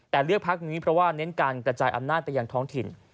แต่เลือกพักนี้เพราะว่าเน้นการกระจายอำนาจไปยังท้องถิ่น